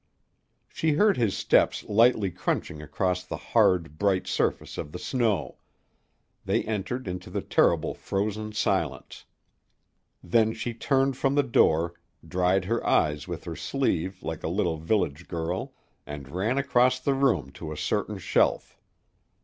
She heard his steps lightly crunching across the hard, bright surface of the snow, they entered into the terrible frozen silence. Then she turned from the door, dried her eyes with her sleeve like a little village girl, and ran across the room to a certain shelf.